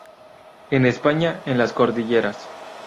En España en las cordilleras.